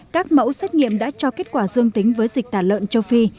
các mẫu xét nghiệm đã cho kết quả dương tính với dịch tả lợn châu phi